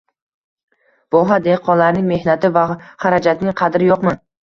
Voha dehqonlarining mehnati va xarajatining qadri yo‘qmi?